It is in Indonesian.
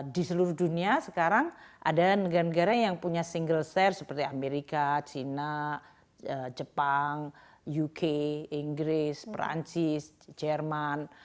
di seluruh dunia sekarang ada negara negara yang punya single share seperti amerika china jepang uk inggris perancis jerman